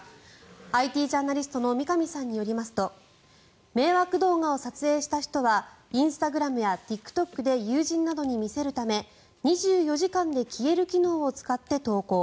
ＩＴジャーナリストの三上さんによりますと迷惑動画を撮影した人はインスタグラムやＴｉｋＴｏｋで友人などに見せるため２４時間で消える機能を使って投稿。